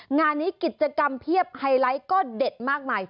งานนี้กิจกรรมเพียบไฮไลท์ก็เด็ดมากมาย